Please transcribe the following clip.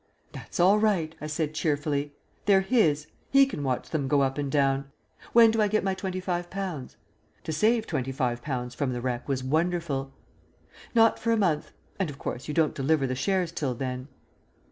"That's all right," I said cheerfully; "they're his. He can watch them go up and down. When do I get my twenty five pounds?" To save twenty five pounds from the wreck was wonderful. "Not for a month; and, of course, you don't deliver the shares till then."